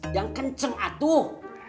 yang kenceng atuh